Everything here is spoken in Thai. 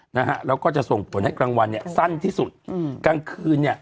นะฮะแล้วก็จะส่งผลให้กลางวันเนี่ยสั้นที่สุดอืมกลางคืนเนี้ย